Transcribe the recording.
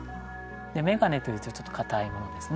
で眼鏡というとちょっと硬いものですね。